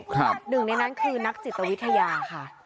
หนึ่งในนั้นคือนักจิตวิทยาค่ะ